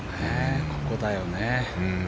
ここだよね。